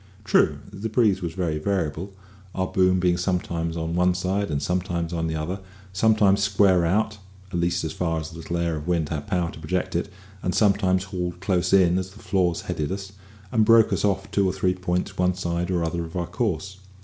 True, the breeze was very variable, our boom being sometimes on one side and sometimes on the other, sometimes square out (at least as far as the little air of wind had power to project it), and sometimes hauled close in as the flaws headed us, and broke us off two or three points one side or the other of our course.